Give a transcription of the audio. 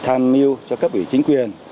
tham mưu cho các vị chính quyền